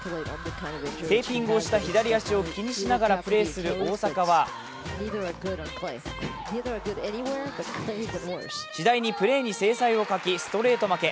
テーピングをした左足を気にしながらプレーする大坂はしだいにプレーに精彩を欠きストレート負け。